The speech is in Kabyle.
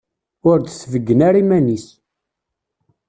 Ur d-tbeyyen ara iman-is.